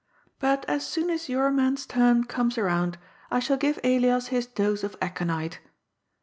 But as soon as your man's turn comes round, I shall give Elias his dose of aconite.